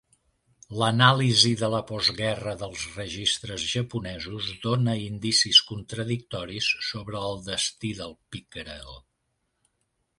L'anàlisi de la postguerra dels registres japonesos dona indicis contradictoris sobre el destí del Pickerel.